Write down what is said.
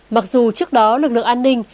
mặc dù trước đó lực lượng an ninh